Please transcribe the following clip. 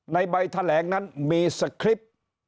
ในใบแถลงนั้นมีสคริปต์